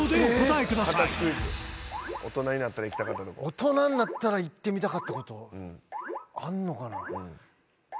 大人んなったら行ってみたかったとこあんのかな